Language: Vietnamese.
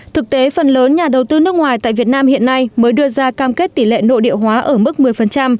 thực tế phần lớn nhà đầu tư nước ngoài tại việt nam hiện nay mới đưa ra cam kết tỷ lệ nội địa hóa ở mức một mươi